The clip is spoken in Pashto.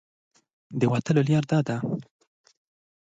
ایا دا د وتلو لار ده؟